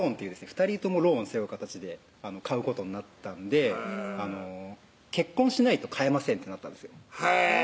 ２人ともローンを背負う形で買うことになったんで「結婚しないと買えません」ってなったんですよ